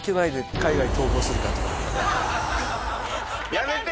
やめて！